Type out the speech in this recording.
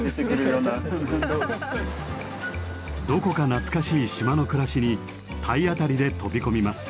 どこか懐かしい島の暮らしに体当たりで飛び込みます。